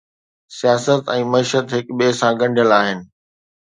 سياست ۽ معيشت هڪ ٻئي سان ڳنڍيل آهن